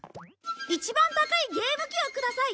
一番高いゲーム機をください。